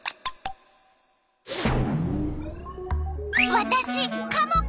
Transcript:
わたしカモカモ！